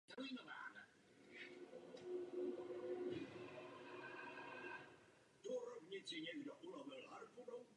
Právě nyní je důležité, aby evropská solidarita náležitě fungovala.